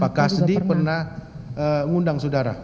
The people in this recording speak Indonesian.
pak kasdi pernah ngundang saudara